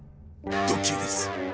ドッキーです。